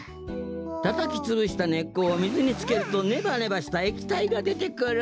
たたきつぶしたねっこをみずにつけるとネバネバしたえきたいがでてくる。